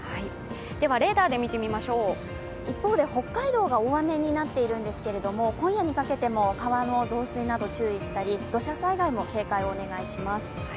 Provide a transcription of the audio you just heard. では、レーダーで見てみましょう一方で北海道が大雨になっているんですけれども今夜にかけても川の増水に注意したり土砂災害も警戒をお願いします。